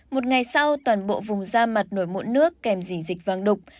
một ngày sau toàn bộ vùng da mặt nổi mụn nước kèm dình dịch vàng đục